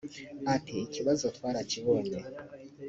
Ati “ikibazo twarakibonye